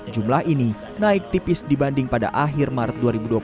jumlah ini naik tipis dibanding pada akhir maret dua ribu dua puluh